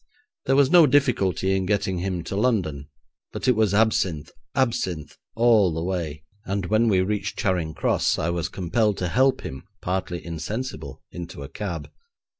There was no difficulty in getting him to London, but it was absinthe, absinthe, all the way, and when we reached Charing Cross, I was compelled to help him, partly insensible, into a cab.